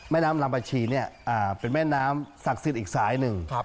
แม่น้ำลำบาชีเนี่ยเป็นแม่น้ำศักดิ์สิทธิ์อีกสายหนึ่ง